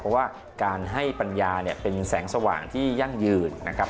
เพราะว่าการให้ปัญญาเนี่ยเป็นแสงสว่างที่ยั่งยืนนะครับ